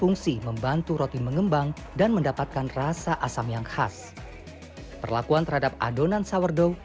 ukuran loaf disesuaikan dengan baneton atau keranjang sourdough